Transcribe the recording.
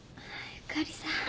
ゆかりさん。